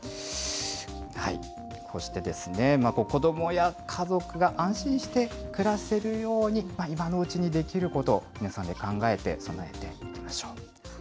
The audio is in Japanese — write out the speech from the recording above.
そして、子どもや家族が安心して暮らせるように、今のうちにできることを、皆さんで考えて、備えていきましょう。